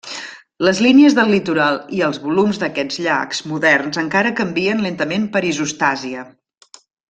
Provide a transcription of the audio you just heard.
Les línies de litoral i els volums d'aquests llacs moderns encara canvien lentament per isostàsia.